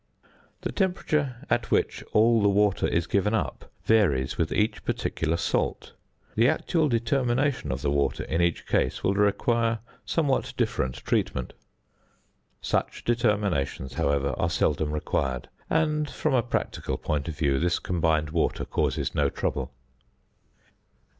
The temperature at which all the water is given up varies with each particular salt; the actual determination of the water in each case will require somewhat different treatment. Such determinations, however, are seldom required; and from a practical point of view this combined water causes no trouble.